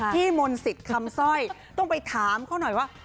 มนศิษย์คำสร้อยต้องไปถามเขาหน่อยว่า